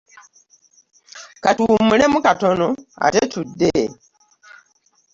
Ka tuwummulemu katono ate tudde.